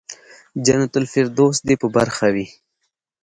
جنت الفردوس دې په برخه وي.